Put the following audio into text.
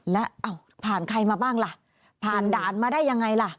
แล้วผ่านใครมาบ้างล่ะผ่านด่านมาได้ยังไงล่ะ